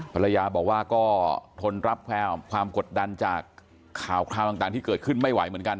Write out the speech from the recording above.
ภรรยาบอกว่าก็ทนรับความกดดันจากข่าวคราวต่างที่เกิดขึ้นไม่ไหวเหมือนกัน